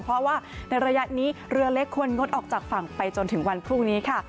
เพราะว่าในระยะนี้เรือเล็กควรงดออกจากฝั่งไปจนถึงวันพรุ่งนี้ค่ะ